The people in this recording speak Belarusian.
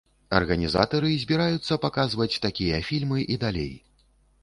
Арганізатары збіраюцца паказваць такія фільмы і далей.